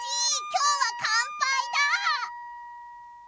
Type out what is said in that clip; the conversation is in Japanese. きょうはかんぱいだぁ。